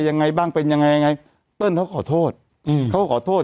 ยังไงบ้างเป็นยังไงยังไงเติ้ลเขาขอโทษอืมเขาก็ขอโทษ